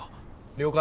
了解。